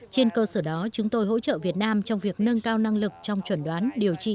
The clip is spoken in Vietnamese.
trên cơ sở đó chúng tôi hỗ trợ việt nam trong việc nâng cao năng lực trong chuẩn đoán điều trị